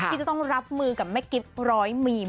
ที่จะต้องรับมือกับแม่กิ๊บร้อยมีม